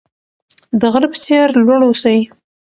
د غره په څیر لوړ اوسئ.